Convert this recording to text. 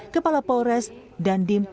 kepala polres dandim